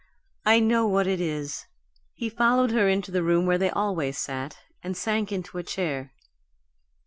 "I know what it is!" He followed her into the room where they always sat, and sank into a chair.